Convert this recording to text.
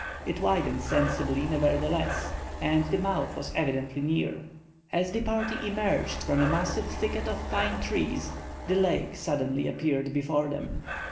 It widened sensibly, nevertheless, and the mouth was evidently near. As the party emerged from a massive thicket of fine trees, the lake suddenly appeared before them.